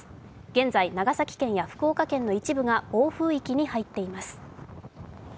現在、長崎県や福岡県の一部が暴風域に入っています。